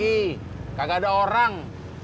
iya dia untuk bangun